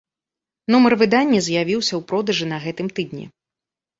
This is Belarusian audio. Нумар выдання з'явіўся ў продажы на гэтым тыдні.